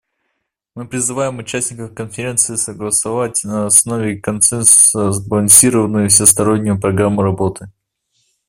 Мы призываем участников Конференции согласовать на основе консенсуса сбалансированную и всестороннюю программу работы.